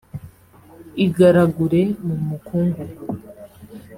igaragure mu mukungugu